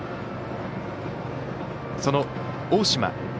その大島。